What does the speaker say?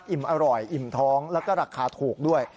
อิ่มอร่อยอิ่มท้องแล้วก็ราคาถูกด้วย